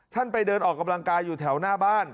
ไปเดินออกกำลังกายอยู่แถวหน้าบ้าน